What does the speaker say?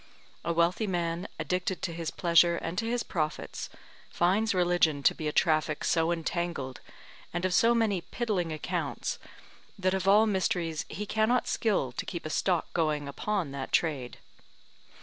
A wealthy man, addicted to his pleasure and to his profits, finds religion to be a traffic so entangled, and of so many piddling accounts, that of all mysteries he cannot skill to keep a stock going upon that trade.